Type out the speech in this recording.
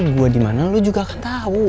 gue dimana lu juga akan tahu